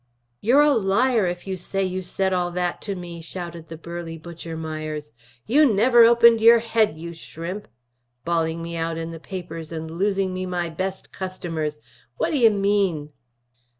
"You're a liar if you say you said all that to me!" shouted the burly Butcher Myers. "You never opened your head, you shrimp! Bawling me out in the papers and losing me my best customers! Whaddye mean?"